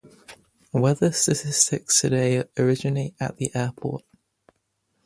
Weather statistics today originate at the airport.